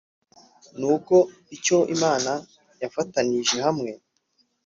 nuko icyo Imana yafatanije hamwe